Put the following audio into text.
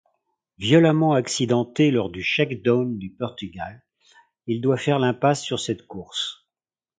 Violemment accidenté lors du Shakedown du Portugal, il doit faire l'impasse sur cette course.